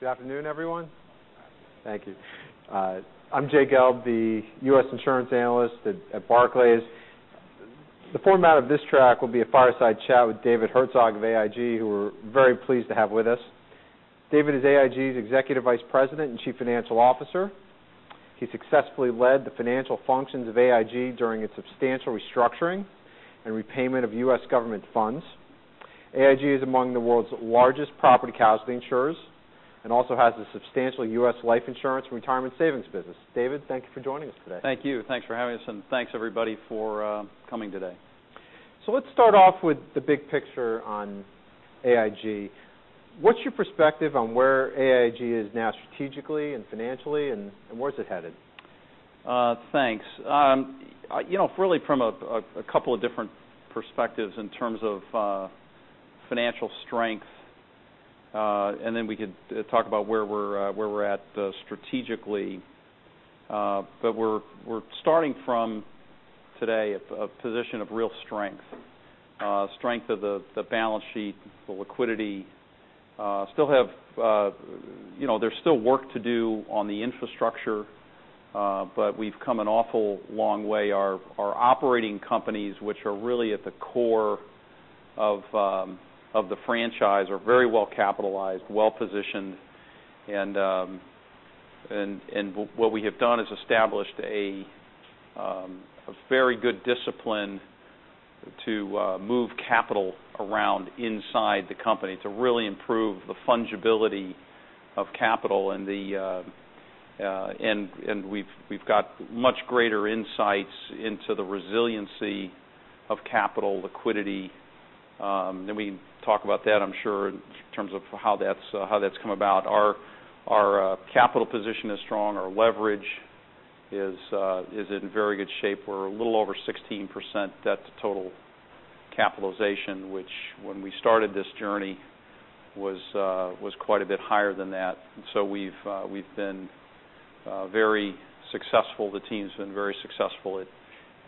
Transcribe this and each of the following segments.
Good afternoon, everyone. Thank you. I'm Jay Gelb, the U.S. Insurance Analyst at Barclays. The format of this track will be a fireside chat with David Herzog of AIG, who we're very pleased to have with us. David is AIG's Executive Vice President and Chief Financial Officer. He successfully led the financial functions of AIG during its substantial restructuring and repayment of U.S. government funds. AIG is among the world's largest property casualty insurers and also has a substantial U.S. life insurance and retirement savings business. David, thank you for joining us today. Thank you. Thanks for having us, and thanks, everybody, for coming today. Let's start off with the big picture on AIG. What's your perspective on where AIG is now strategically and financially, and where is it headed? Thanks. Really from a couple of different perspectives in terms of financial strength, and then we could talk about where we're at strategically. We're starting from, today, a position of real strength. Strength of the balance sheet, the liquidity. There's still work to do on the infrastructure, but we've come an awful long way. Our operating companies, which are really at the core of the franchise, are very well capitalized, well-positioned, and what we have done is established a very good discipline to move capital around inside the company to really improve the fungibility of capital. We've got much greater insights into the resiliency of capital liquidity. We can talk about that, I'm sure, in terms of how that's come about. Our capital position is strong. Our leverage is in very good shape. We're a little over 16% debt to total capitalization, which when we started this journey was quite a bit higher than that. We've been very successful. The team's been very successful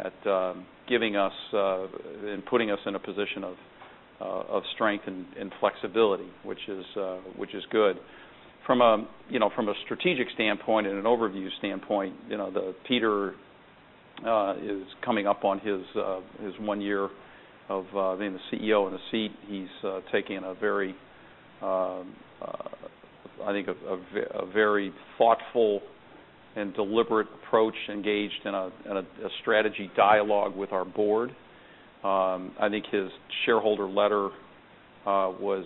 at giving us and putting us in a position of strength and flexibility, which is good. From a strategic standpoint and an overview standpoint, Peter is coming up on his one year of being the CEO in the seat. He's taking a very thoughtful and deliberate approach, engaged in a strategy dialogue with our board. I think his shareholder letter was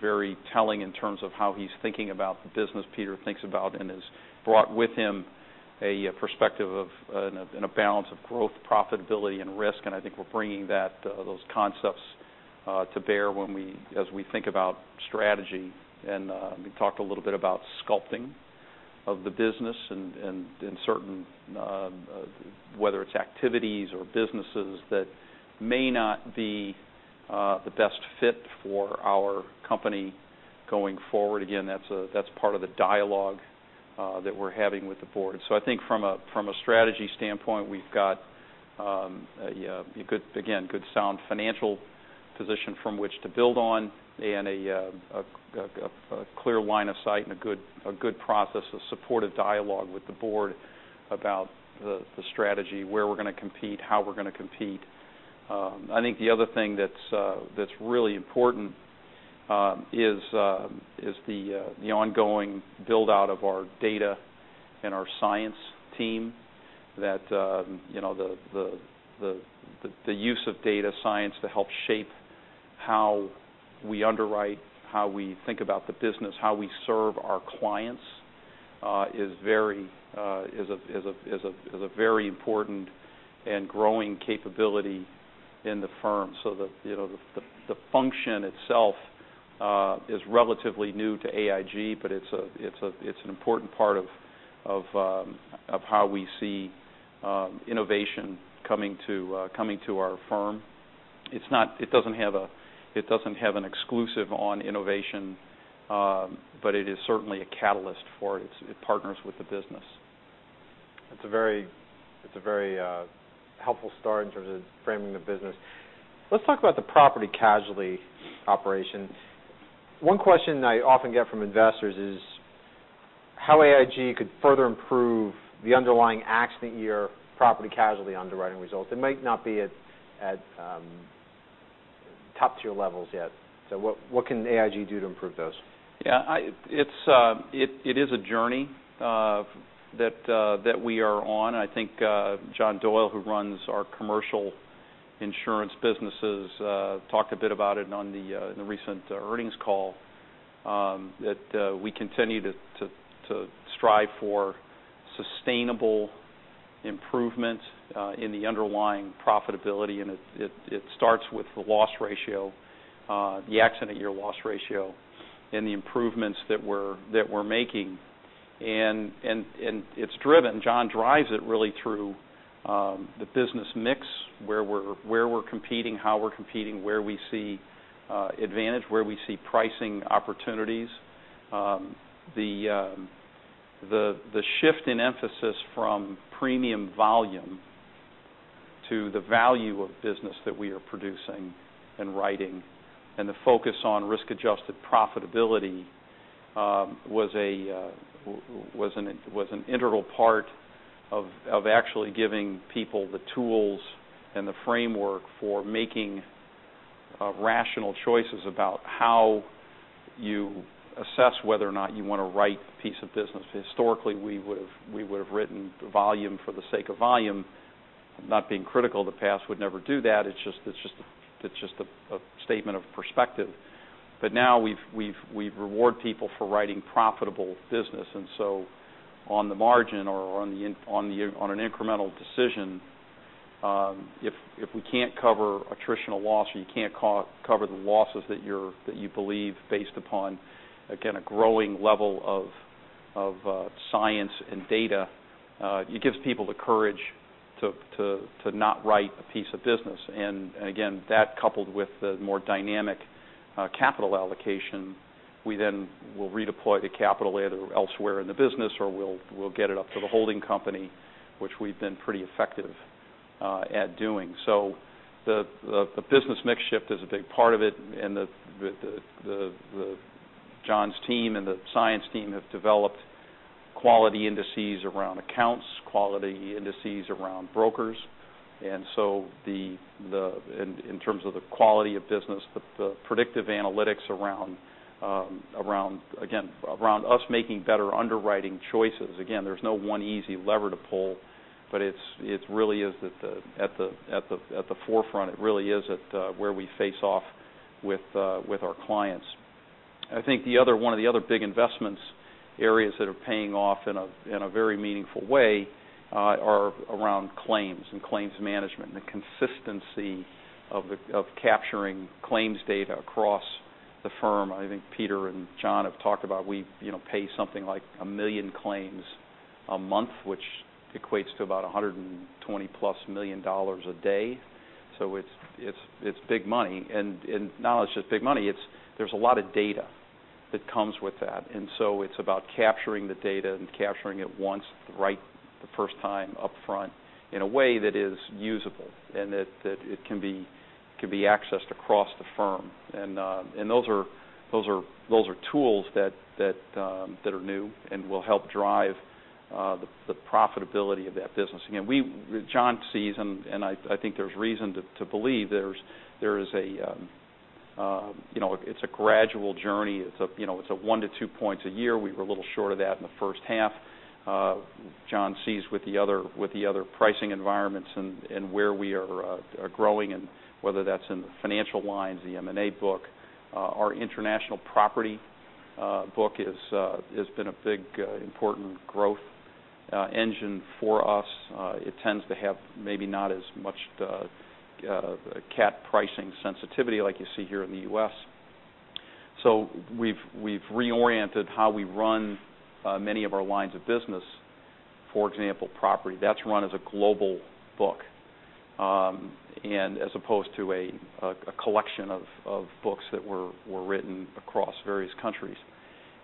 very telling in terms of how he's thinking about the business. Peter thinks about and has brought with him a perspective of and a balance of growth, profitability and risk. I think we're bringing those concepts to bear as we think about strategy. We talked a little bit about sculpting of the business and certain, whether it's activities or businesses that may not be the best fit for our company going forward. Again, that's part of the dialogue that we're having with the board. I think from a strategy standpoint, we've got, again, good sound financial position from which to build on and a clear line of sight and a good process, a supportive dialogue with the board about the strategy, where we're going to compete, how we're going to compete. I think the other thing that's really important is the ongoing build-out of our data and our science team. The use of data science to help shape how we underwrite, how we think about the business, how we serve our clients is a very important and growing capability in the firm. The function itself is relatively new to AIG, but it's an important part of how we see innovation coming to our firm. It doesn't have an exclusive on innovation, but it is certainly a catalyst for it. It partners with the business. It's a very helpful start in terms of framing the business. Let's talk about the property casualty operation. One question I often get from investors is how AIG could further improve the underlying accident year property casualty underwriting results. It might not be at top-tier levels yet, what can AIG do to improve those? Yeah. It is a journey that we are on. I think John Doyle, who runs our Commercial Insurance businesses talked a bit about it on the recent earnings call, that we continue to strive for sustainable improvement in the underlying profitability. It starts with the loss ratio, the accident year loss ratio, and the improvements that we're making. It's driven, John drives it really through the business mix, where we're competing, how we're competing, where we see advantage, where we see pricing opportunities. The shift in emphasis from premium volume to the value of business that we are producing and writing, and the focus on risk-adjusted profitability was an integral part of actually giving people the tools and the framework for making rational choices about how you assess whether or not you want to write a piece of business. Historically, we would've written volume for the sake of volume. I'm not being critical. The past would never do that. It's just a statement of perspective. Now we reward people for writing profitable business. On the margin or on an incremental decision, if we can't cover attritional loss or you can't cover the losses that you believe based upon, again, a growing level of science and data, it gives people the courage to not write a piece of business. Again, that coupled with the more dynamic capital allocation, we then will redeploy the capital elsewhere in the business, or we'll get it up to the holding company, which we've been pretty effective at doing. The business mix shift is a big part of it, John's team and the science team have developed quality indices around accounts, quality indices around brokers. In terms of the quality of business, the predictive analytics around us making better underwriting choices. Again, there's no one easy lever to pull, but at the forefront, it really is at where we face off with our clients. I think one of the other big investment areas that are paying off in a very meaningful way are around claims and claims management, and the consistency of capturing claims data across the firm. I think Peter and John have talked about how we pay something like 1 million claims a month, which equates to about $120-plus million a day. It's big money, not only is it big money, there's a lot of data that comes with that. It's about capturing the data and capturing it once, right the first time upfront in a way that is usable and that it can be accessed across the firm. Those are tools that are new and will help drive the profitability of that business. Again, John sees, and I think there's reason to believe, it's a gradual journey. It's a one to two points a year. We were a little short of that in the first half. John sees with the other pricing environments and where we are growing and whether that's in the Financial Lines, the M&A book. Our international property book has been a big, important growth engine for us. It tends to have maybe not as much cat pricing sensitivity like you see here in the U.S. We've reoriented how we run many of our lines of business. For example, property, that's run as a global book, as opposed to a collection of books that were written across various countries.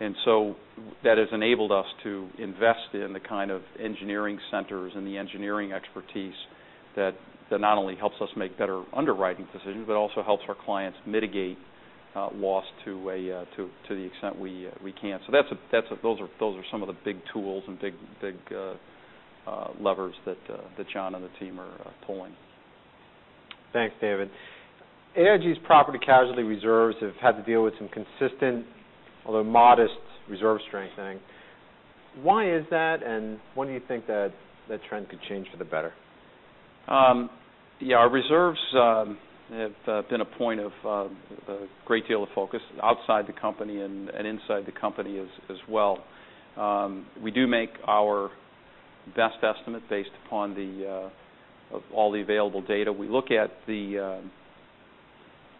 That has enabled us to invest in the kind of engineering centers and the engineering expertise that not only helps us make better underwriting decisions, but also helps our clients mitigate loss to the extent we can. Those are some of the big tools and big levers that John and the team are pulling. Thanks, David. AIG's property casualty reserves have had to deal with some consistent, although modest, reserve strengthening. Why is that, and when do you think that trend could change for the better? Yeah, our reserves have been a point of a great deal of focus outside the company and inside the company as well. We do make our best estimate based upon all the available data. We look at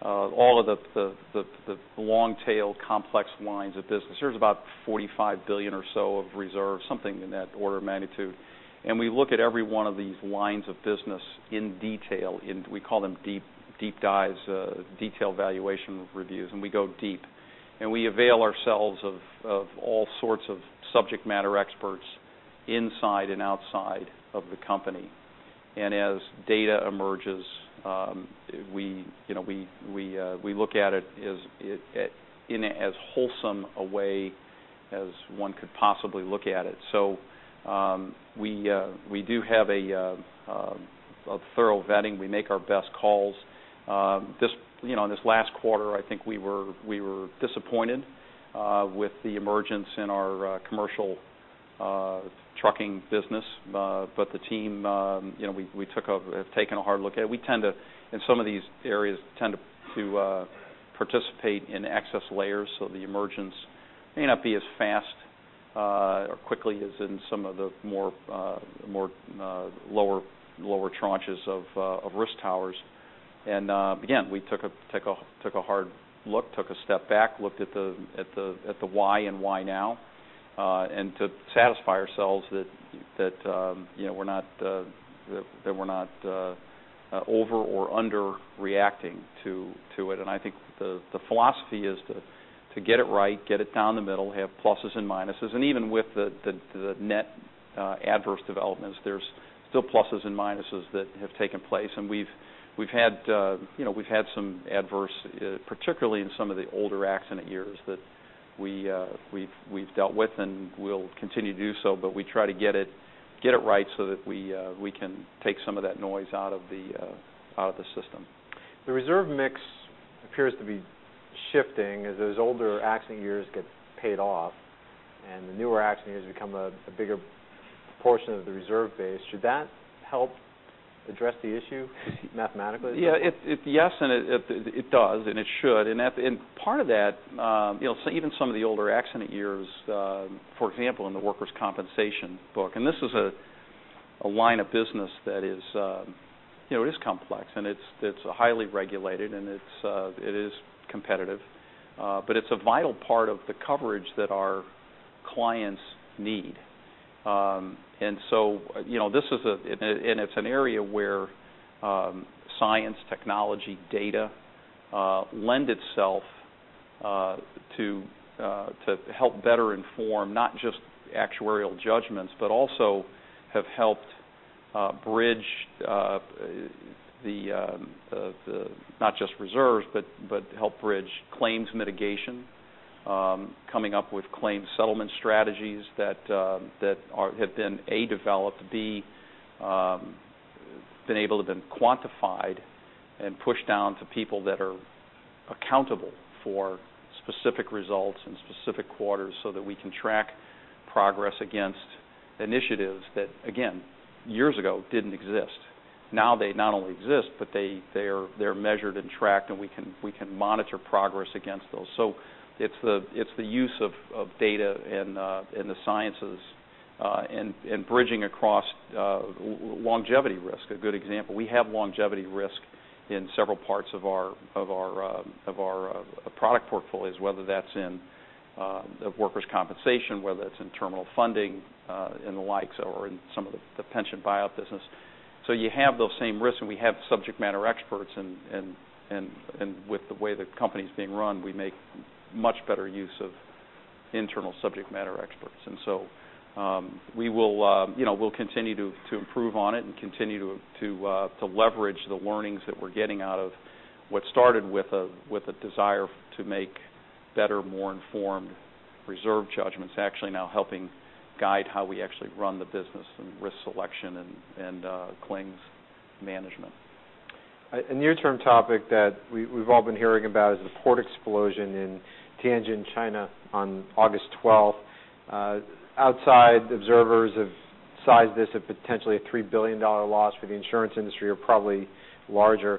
all of the long-tail complex lines of business. There's about $45 billion or so of reserves, something in that order of magnitude, and we look at every one of these lines of business in detail in, we call them deep dives, detailed valuation reviews, and we go deep. We avail ourselves of all sorts of subject matter experts inside and outside of the company. As data emerges, we look at it in as wholesome a way as one could possibly look at it. We do have a thorough vetting. We make our best calls. In this last quarter, I think we were disappointed with the emergence in our commercial trucking business. The team have taken a hard look at it. In some of these areas, we tend to participate in excess layers, the emergence may not be as fast or quickly as in some of the more lower tranches of risk towers. Again, we took a hard look, took a step back, looked at the why and why now, to satisfy ourselves that we're not over or underreacting to it. I think the philosophy is to get it right, get it down the middle, have pluses and minuses. Even with the net adverse developments. There's still pluses and minuses that have taken place. We've had some adverse, particularly in some of the older accident years, that we've dealt with and we'll continue to do so. We try to get it right so that we can take some of that noise out of the system. The reserve mix appears to be shifting as those older accident years get paid off. The newer accident years become a bigger portion of the reserve base. Should that help address the issue mathematically? Yes, it does, and it should. Part of that, even some of the older accident years, for example, in the workers' compensation book. This is a line of business that is complex. It's highly regulated, and it is competitive. It's a vital part of the coverage that our clients need. It's an area where science, technology, data lend itself to help better inform not just actuarial judgments, but also have helped bridge not just reserves, but helped bridge claims mitigation, coming up with claims settlement strategies that have been, A, developed, B, been able to have been quantified and pushed down to people that are accountable for specific results and specific quarters so that we can track progress against initiatives that, again, years ago didn't exist. They not only exist, but they're measured and tracked, and we can monitor progress against those. It's the use of data and the sciences in bridging across longevity risk. A good example, we have longevity risk in several parts of our product portfolios, whether that's in workers' compensation, whether that's in terminal funding and the likes, or in some of the pension buyout business. You have those same risks. We have subject matter experts. With the way the company's being run, we make much better use of internal subject matter experts. We'll continue to improve on it and continue to leverage the learnings that we're getting out of what started with a desire to make better, more informed reserve judgments, actually now helping guide how we actually run the business and risk selection and claims management. A near-term topic that we've all been hearing about is the port explosion in Tianjin, China, on August 12th. Outside observers have sized this as potentially a $3 billion loss for the insurance industry, or probably larger.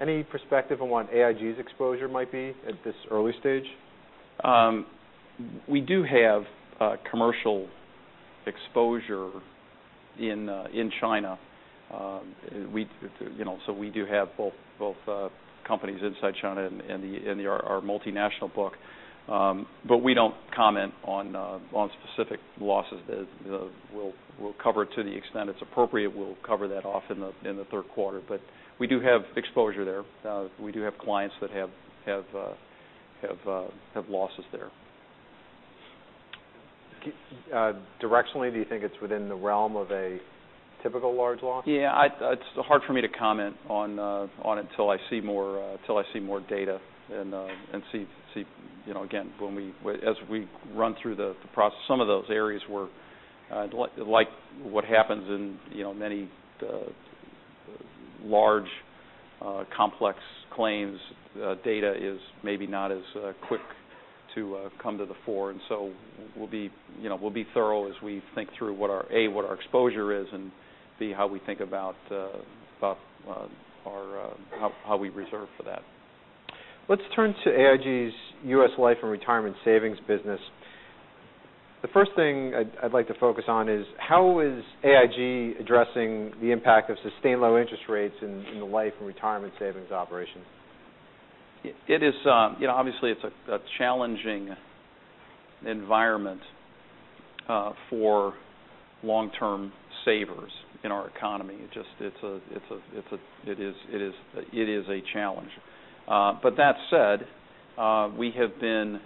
Any perspective on what AIG's exposure might be at this early stage? We do have commercial exposure in China, so we do have both companies inside China and our multinational book. We don't comment on specific losses. We'll cover to the extent it's appropriate. We'll cover that off in the third quarter. We do have exposure there. We do have clients that have losses there. Directionally, do you think it's within the realm of a typical large loss? Yeah. It's hard for me to comment on it till I see more data and see again, as we run through the process, some of those areas where, like what happens in many large complex claims, data is maybe not as quick to come to the fore. We'll be thorough as we think through, A, what our exposure is and, B, how we think about how we reserve for that. Let's turn to AIG's U.S. life and retirement savings business. The first thing I'd like to focus on is how is AIG addressing the impact of sustained low interest rates in the life and retirement savings operation? Obviously it's a challenging environment for long-term savers in our economy. It is a challenge. That said, we have been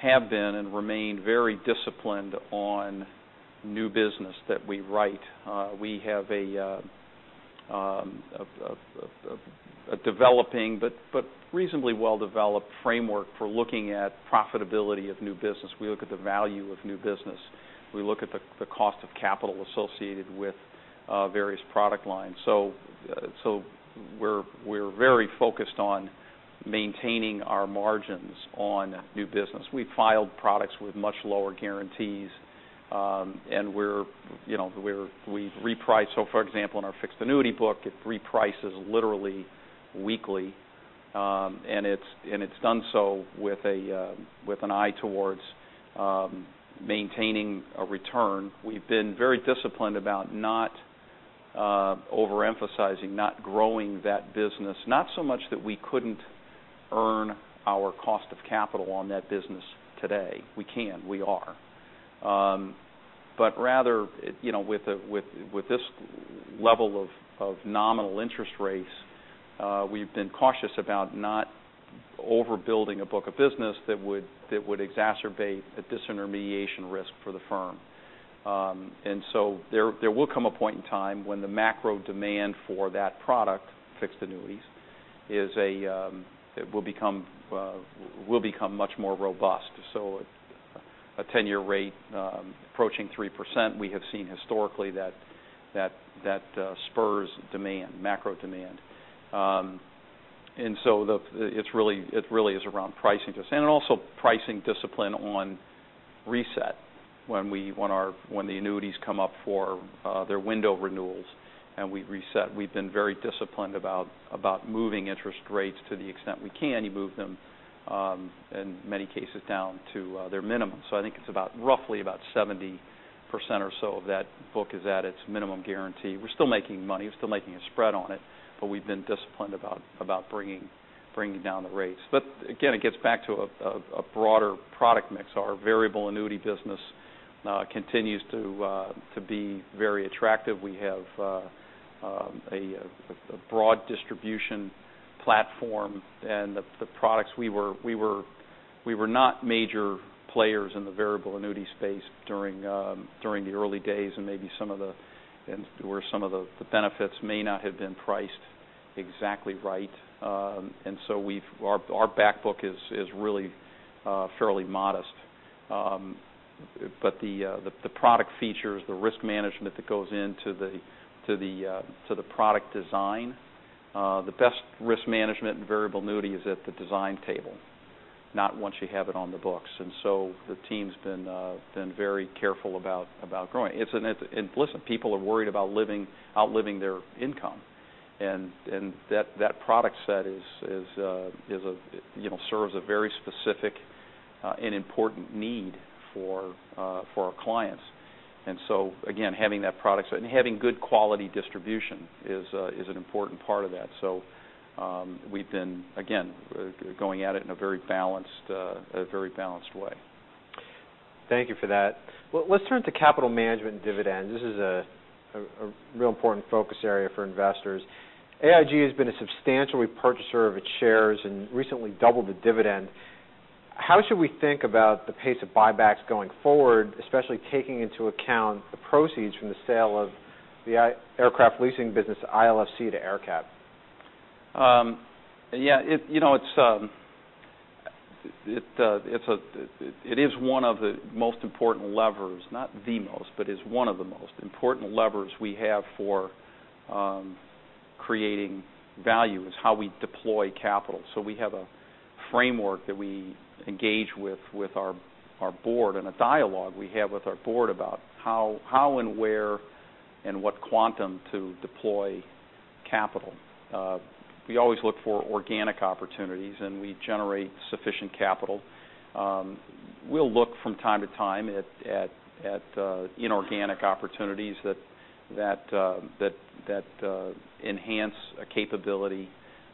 and remain very disciplined on new business that we write. We have a developing but reasonably well-developed framework for looking at profitability of new business. We look at the value of new business. We look at the cost of capital associated with various product lines. We're very focused on maintaining our margins on new business. We've filed products with much lower guarantees, and we've repriced. For example, in our fixed annuity book, it reprices literally weekly, and it's done so with an eye towards maintaining a return. We've been very disciplined about not overemphasizing, not growing that business. Not so much that we couldn't earn our cost of capital on that business today. We can. We are. Rather with this level of nominal interest rates, we've been cautious about not overbuilding a book of business that would exacerbate a disintermediation risk for the firm. There will come a point in time when the macro demand for that product, fixed annuities, will become much more robust. A 10-year rate approaching 3%, we have seen historically that spurs demand, macro demand. It really is around pricing discipline and also pricing discipline on reset when the annuities come up for their window renewals and we reset. We've been very disciplined about moving interest rates to the extent we can. You move them, in many cases, down to their minimum. I think it's roughly about 70% or so of that book is at its minimum guarantee. We're still making money, we're still making a spread on it, we've been disciplined about bringing down the rates. Again, it gets back to a broader product mix. Our variable annuity business continues to be very attractive. We have a broad distribution platform and the products. We were not major players in the variable annuity space during the early days and maybe where some of the benefits may not have been priced exactly right. Our back book is really fairly modest. The product features, the risk management that goes into the product design, the best risk management in variable annuity is at the design table, not once you have it on the books. The team's been very careful about growing. Listen, people are worried about outliving their income, and that product set serves a very specific and important need for our clients. Having that product and having good quality distribution is an important part of that. We've been, again, going at it in a very balanced way. Thank you for that. Well, let's turn to capital management and dividends. This is a real important focus area for investors. AIG has been a substantial repurchaser of its shares and recently doubled the dividend. How should we think about the pace of buybacks going forward, especially taking into account the proceeds from the sale of the aircraft leasing business, ILFC, to AerCap? Yeah. It is one of the most important levers, not the most, but is one of the most important levers we have for creating value, is how we deploy capital. We have a framework that we engage with our board and a dialogue we have with our board about how and where and what quantum to deploy capital. We always look for organic opportunities, we generate sufficient capital. We'll look from time to time at inorganic opportunities that enhance a capability,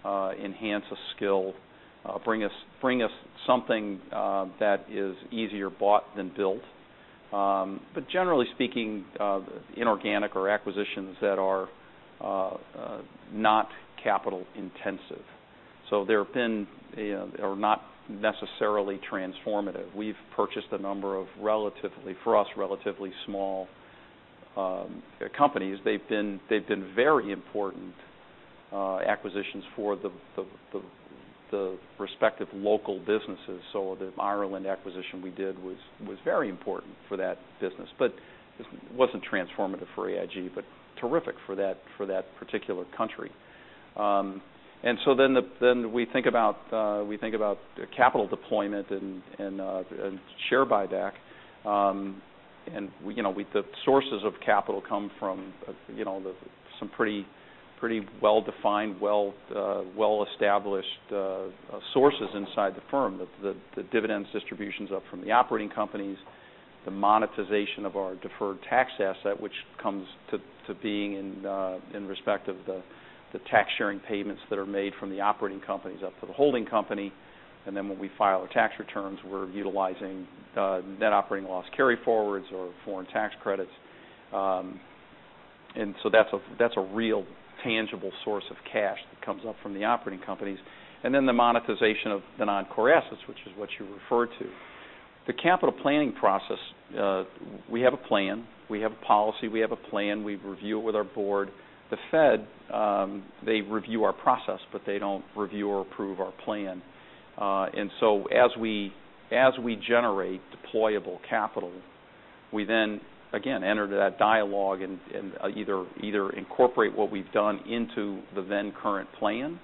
enhance a skill, bring us something that is easier bought than built. Generally speaking, inorganic or acquisitions that are not capital intensive. They're not necessarily transformative. We've purchased a number of, for us, relatively small companies. They've been very important acquisitions for the respective local businesses. The Ireland acquisition we did was very important for that business, but it wasn't transformative for AIG, but terrific for that particular country. Then we think about capital deployment and share buyback. The sources of capital come from some pretty well-defined, well-established sources inside the firm. The dividends distributions up from the operating companies, the monetization of our deferred tax asset, which comes to being in respect of the tax sharing payments that are made from the operating companies up to the holding company. When we file our tax returns, we're utilizing net operating loss carryforwards or foreign tax credits. That's a real tangible source of cash that comes up from the operating companies. The monetization of the non-core assets, which is what you referred to. The capital planning process, we have a plan. We have a policy. We have a plan. We review it with our board. The Fed, they review our process, but they don't review or approve our plan. As we generate deployable capital, we then again enter that dialogue and either incorporate what we've done into the then current plan,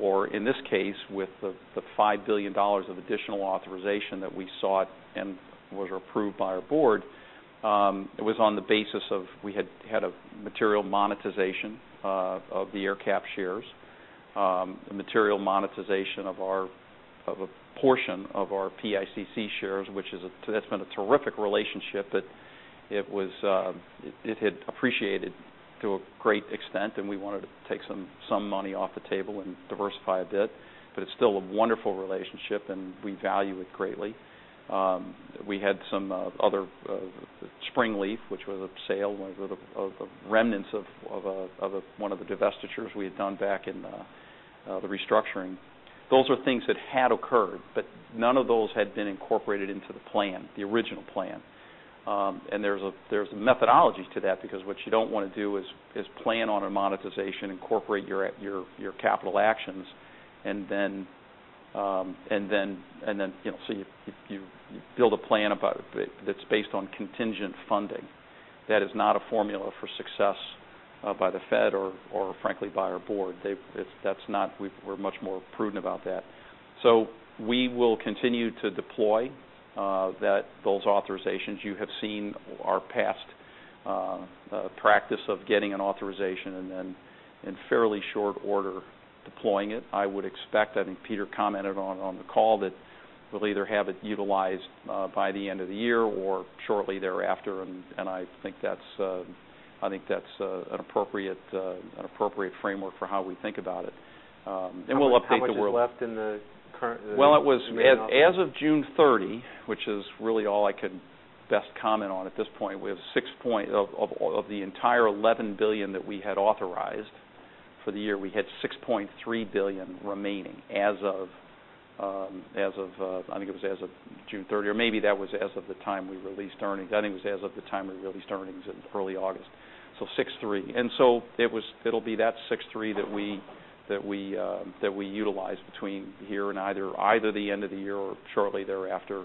or in this case, with the $5 billion of additional authorization that we sought and was approved by our board, it was on the basis of we had had a material monetization of the AerCap shares, a material monetization of a portion of our PICC shares, which that's been a terrific relationship, but it had appreciated to a great extent, and we wanted to take some money off the table and diversify a bit. It's still a wonderful relationship, and we value it greatly. We had some other Springleaf, which was a sale of remnants of one of the divestitures we had done back in the restructuring. Those are things that had occurred, but none of those had been incorporated into the plan, the original plan. There's a methodology to that because what you don't want to do is plan on a monetization, incorporate your capital actions, you build a plan about it that's based on contingent funding. That is not a formula for success by the Fed or frankly, by our board. We're much more prudent about that. We will continue to deploy those authorizations. You have seen our past practice of getting an authorization and then in fairly short order deploying it. I would expect, I think Peter commented on the call that we'll either have it utilized by the end of the year or shortly thereafter, I think that's an appropriate framework for how we think about it. We'll update the world. How much is left in the current- Well, as of June 30, which is really all I could best comment on at this point, of the entire $11 billion that we had authorized for the year, we had $6.3 billion remaining as of, I think it was as of June 30, or maybe that was as of the time we released earnings. I think it was as of the time we released earnings in early August. $6.3. It'll be that $6.3 that we utilize between here and either the end of the year or shortly thereafter.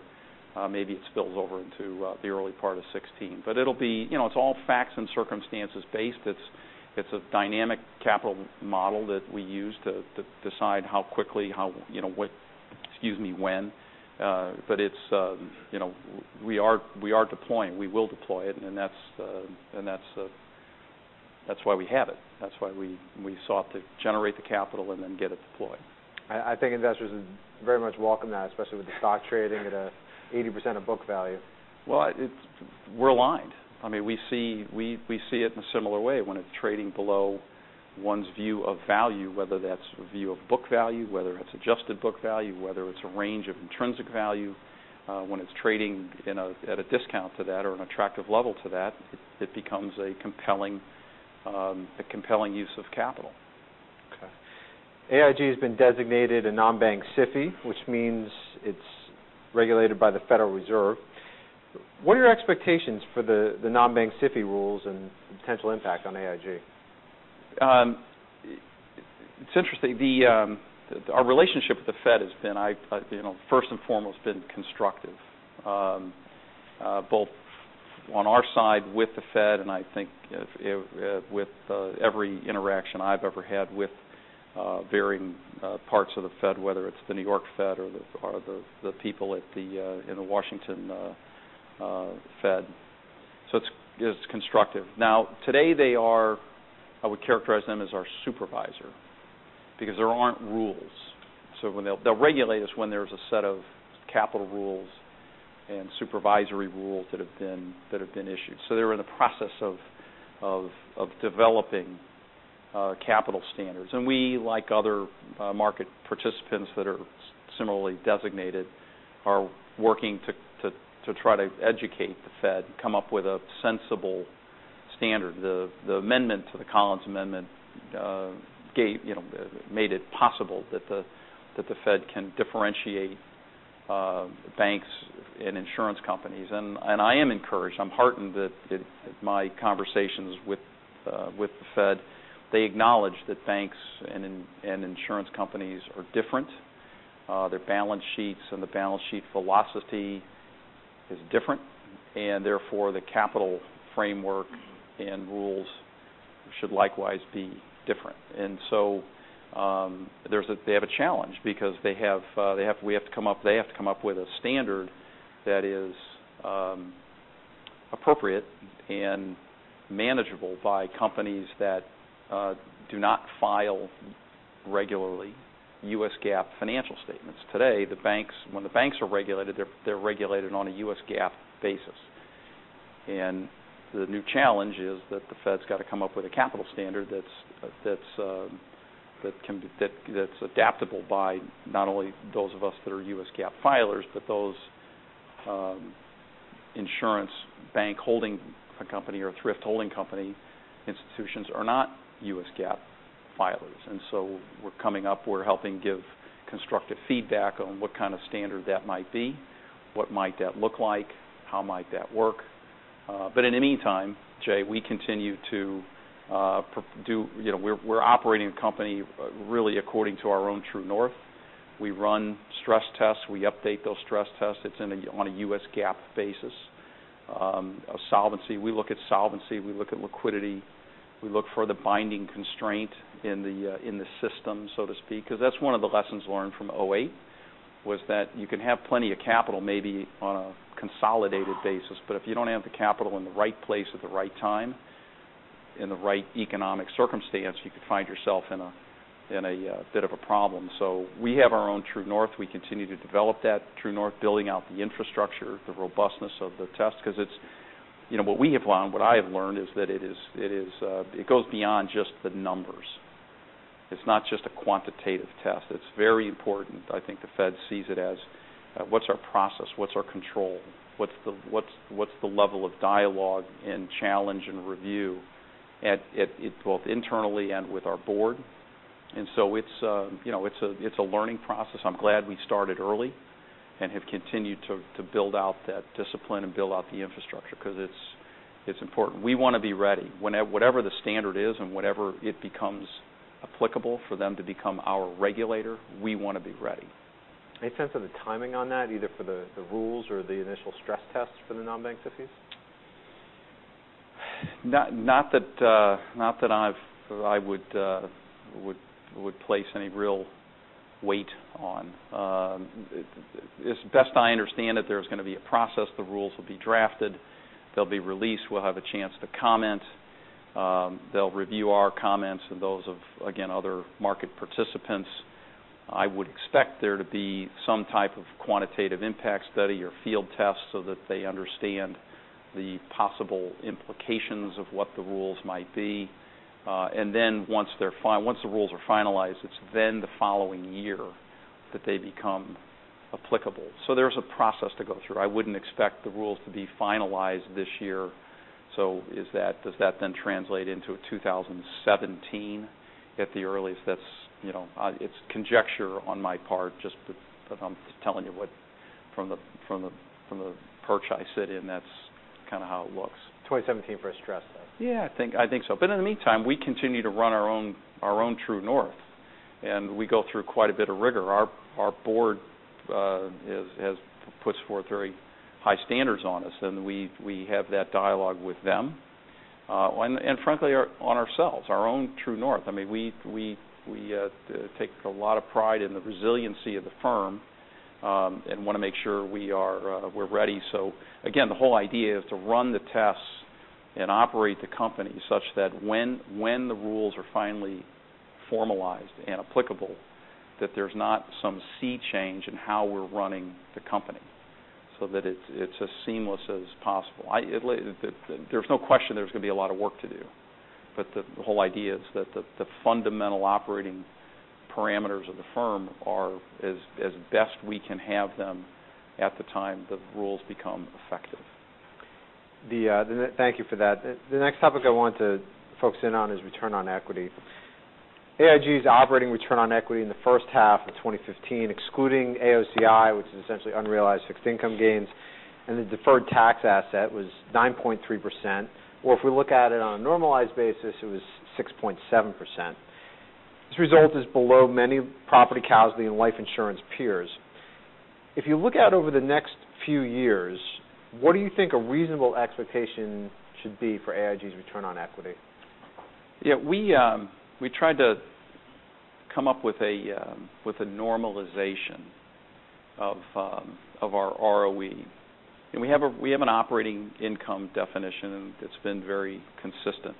Maybe it spills over into the early part of 2016. It's all facts and circumstances based. It's a dynamic capital model that we use to decide how quickly, how, excuse me, when. We are deploying. We will deploy it, and that's why we have it. That's why we sought to generate the capital and then get it deployed. I think investors very much welcome that, especially with the stock trading at 80% of book value. Well, we're aligned. We see it in a similar way. When it's trading below one's view of value, whether that's view of book value, whether it's adjusted book value, whether it's a range of intrinsic value, when it's trading at a discount to that or an attractive level to that, it becomes a compelling use of capital. Okay. AIG has been designated a non-bank SIFI, which means it's regulated by the Federal Reserve. What are your expectations for the non-bank SIFI rules and potential impact on AIG? It's interesting. Our relationship with the Fed has been, first and foremost, been constructive, both on our side with the Fed and I think with every interaction I've ever had with varying parts of the Fed, whether it's the New York Fed or the people in the Washington Fed. It's constructive. Today they are, I would characterize them as our supervisor because there aren't rules. They'll regulate us when there's a set of capital rules and supervisory rules that have been issued. They're in the process of developing capital standards. We, like other market participants that are similarly designated, are working to try to educate the Fed, come up with a sensible standard. The amendment to the Collins Amendment made it possible that the Fed can differentiate banks and insurance companies. I am encouraged. I'm heartened that my conversations with the Fed, they acknowledge that banks and insurance companies are different. Their balance sheets and the balance sheet velocity is different, therefore the capital framework and rules should likewise be different. They have a challenge because they have to come up with a standard that is appropriate and manageable by companies that do not file regularly U.S. GAAP financial statements. Today, when the banks are regulated, they're regulated on a U.S. GAAP basis. The new challenge is that the Fed's got to come up with a capital standard that's adaptable by not only those of us that are U.S. GAAP filers, but those insurance bank holding company or thrift holding company institutions are not U.S. GAAP filers. We're coming up, we're helping give constructive feedback on what kind of standard that might be, what might that look like, how might that work. In the meantime, Jay, we're operating a company really according to our own true north. We run stress tests. We update those stress tests. It's on a U.S. GAAP basis of solvency. We look at solvency. We look at liquidity. We look for the binding constraint in the system, so to speak, because that's one of the lessons learned from 2008 was that you can have plenty of capital maybe on a consolidated basis, but if you don't have the capital in the right place at the right time, in the right economic circumstance, you could find yourself in a bit of a problem. We have our own true north. We continue to develop that true north, building out the infrastructure, the robustness of the test, because what we have learned, what I have learned is that it goes beyond just the numbers. It's not just a quantitative test. It's very important. I think the Fed sees it as what's our process, what's our control, what's the level of dialogue and challenge and review both internally and with our board. It's a learning process. I'm glad we started early and have continued to build out that discipline and build out the infrastructure because it's important. We want to be ready. Whatever the standard is and whenever it becomes applicable for them to become our regulator, we want to be ready. Any sense of the timing on that, either for the rules or the initial stress tests for the non-bank SIFIs? Not that I would place any real weight on. As best I understand it, there's going to be a process. The rules will be drafted, they'll be released, we'll have a chance to comment. They'll review our comments and those of, again, other market participants. I would expect there to be some type of quantitative impact study or field test so that they understand the possible implications of what the rules might be. Once the rules are finalized, it's then the following year that they become applicable. There's a process to go through. I wouldn't expect the rules to be finalized this year. Does that then translate into a 2017 at the earliest? It's conjecture on my part, just I'm telling you what, from the perch I sit in, that's kind of how it looks. 2017 for a stress test. Yeah, I think so. In the meantime, we continue to run our own true north, and we go through quite a bit of rigor. Our board puts forth very high standards on us, and we have that dialogue with them. And frankly, on ourselves, our own true north. We take a lot of pride in the resiliency of the firm, and want to make sure we're ready. Again, the whole idea is to run the tests and operate the company such that when the rules are finally formalized and applicable, there's not some sea change in how we're running the company, so that it's as seamless as possible. There's no question there's going to be a lot of work to do. The whole idea is that the fundamental operating parameters of the firm are as best we can have them at the time the rules become effective. Thank you for that. The next topic I want to focus in on is return on equity. AIG's operating return on equity in the first half of 2015, excluding AOCI, which is essentially unrealized fixed income gains, and the deferred tax asset was 9.3%, or if we look at it on a normalized basis, it was 6.7%. This result is below many property, casualty, and life insurance peers. If you look out over the next few years, what do you think a reasonable expectation should be for AIG's return on equity? Yeah, we tried to come up with a normalization of our ROE. We have an operating income definition that's been very consistent.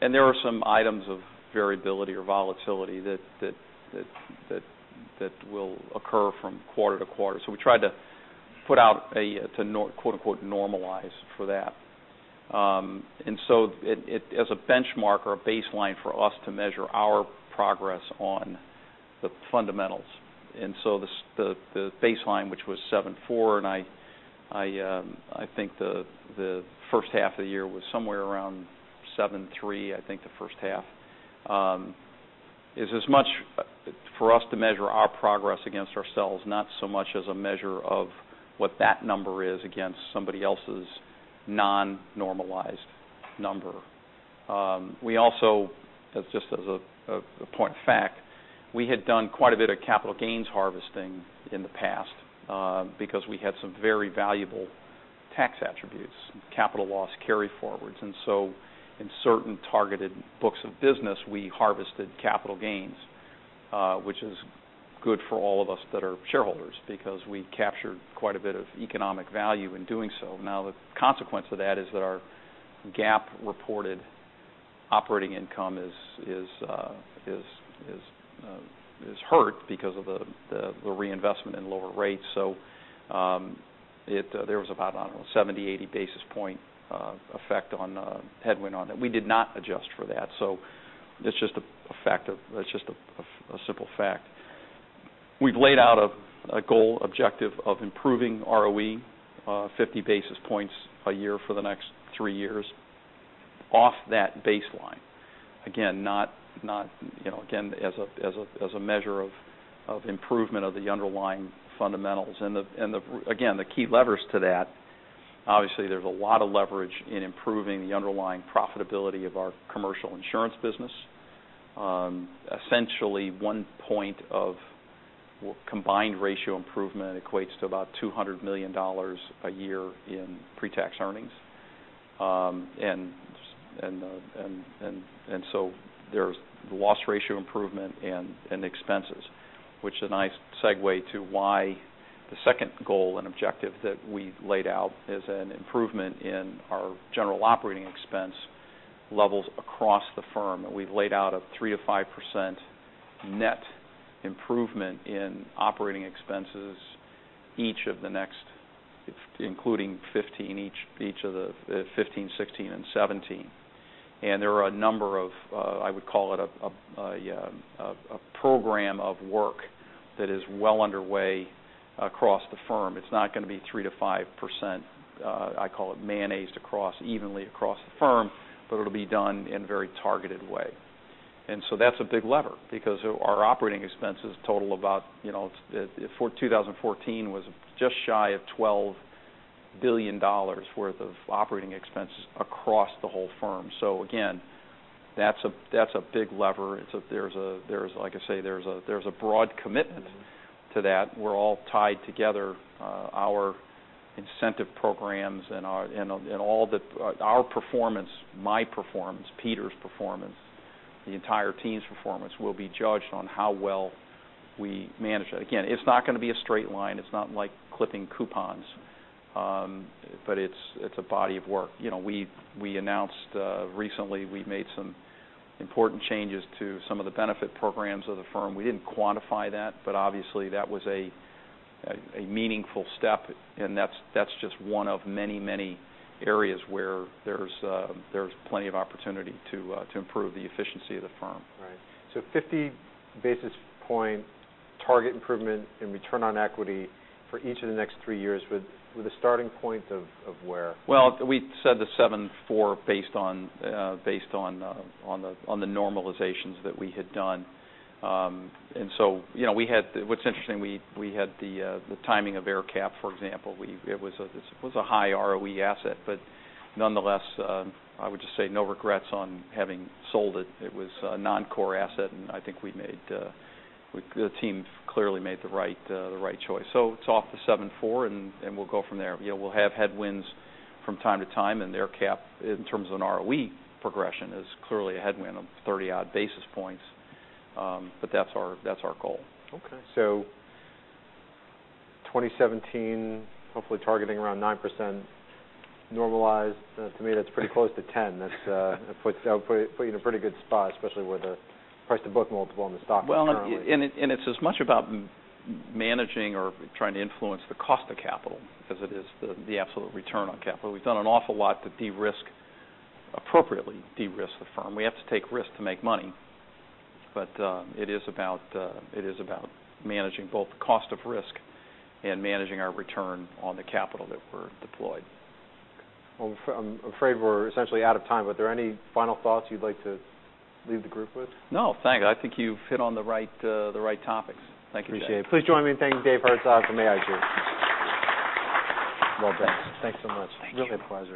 There are some items of variability or volatility that will occur from quarter to quarter. We tried to put out a "normalize" for that. As a benchmark or a baseline for us to measure our progress on the fundamentals. The baseline, which was 7.4, and I think the first half of the year was somewhere around 7.3, I think the first half, is as much for us to measure our progress against ourselves, not so much as a measure of what that number is against somebody else's non-normalized number. We also, just as a point of fact, we had done quite a bit of capital gains harvesting in the past because we had some very valuable tax attributes, capital loss carryforwards. In certain targeted books of business, we harvested capital gains, which is good for all of us that are shareholders because we captured quite a bit of economic value in doing so. Now, the consequence of that is that our U.S. GAAP reported operating income is hurt because of the reinvestment in lower rates. There was about, I don't know, 70, 80 basis point effect on headwind on it. We did not adjust for that. That's just a simple fact. We've laid out a goal objective of improving ROE 50 basis points a year for the next three years off that baseline. Again, as a measure of improvement of the underlying fundamentals. Again, the key levers to that, obviously, there's a lot of leverage in improving the underlying profitability of our Commercial Insurance business. Essentially, one point of combined ratio improvement equates to about $200 million a year in pre-tax earnings. There's the loss ratio improvement and expenses, which is a nice segue to why the second goal and objective that we've laid out is an improvement in our general operating expense levels across the firm. We've laid out a 3%-5% net improvement in operating expenses each of the next, including 2015, each of the 2015, 2016, and 2017. There are a number of, I would call it a program of work that is well underway across the firm. It's not going to be 3%-5%, I call it mayonnaised evenly across the firm, but it'll be done in a very targeted way. That's a big lever because our operating expenses total about for 2014 was just shy of $12 billion worth of operating expenses across the whole firm. Again, that's a big lever. Like I say, there's a broad commitment to that. We're all tied together. Our incentive programs and our performance, my performance, Peter's performance, the entire team's performance will be judged on how well we manage that. Again, it's not going to be a straight line. It's not like clipping coupons, but it's a body of work. We announced recently we've made some important changes to some of the benefit programs of the firm. We didn't quantify that, but obviously, that was a meaningful step, and that's just one of many, many areas where there's plenty of opportunity to improve the efficiency of the firm. Right. 50 basis point target improvement in return on equity for each of the next three years with a starting point of where? We said the 7.4 based on the normalizations that we had done. What's interesting, we had the timing of AerCap, for example. It was a high ROE asset, nonetheless, I would just say no regrets on having sold it. It was a non-core asset, I think the team clearly made the right choice. It's off the 7.4, and we'll go from there. We'll have headwinds from time to time, AerCap, in terms of an ROE progression, is clearly a headwind of 30-odd basis points. That's our goal. Okay. 2017, hopefully targeting around 9% normalized. To me, that's pretty close to 10. That's putting you in a pretty good spot, especially with the price-to-book multiple and the stock currently. It's as much about managing or trying to influence the cost of capital as it is the absolute return on capital. We've done an awful lot to appropriately de-risk the firm. We have to take risks to make money. It is about managing both the cost of risk and managing our return on the capital that we're deployed. I'm afraid we're essentially out of time. Were there any final thoughts you'd like to leave the group with? No, thanks. I think you've hit on the right topics. Thank you. Appreciate it. Please join me in thanking Dave Herzog from AIG. Well done. Thanks so much. Thank you. Really a pleasure.